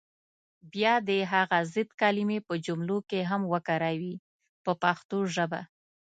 بیا دې هغه ضد کلمې په جملو کې هم وکاروي په پښتو ژبه.